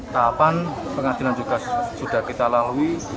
tahapan pengadilan juga sudah kita lalui